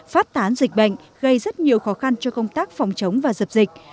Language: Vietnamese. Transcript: phát tán dịch bệnh gây rất nhiều khó khăn cho công tác phòng chống và dập dịch